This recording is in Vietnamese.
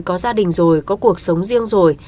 có gia đình rồi có cuộc sống riêng rồi